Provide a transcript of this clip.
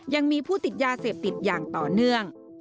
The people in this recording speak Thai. ยังมีผู้ติดยาเสพติดอย่างต่อเนื่อง